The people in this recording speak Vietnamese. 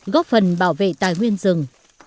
góp phần bảo vệ tài nguyên rừng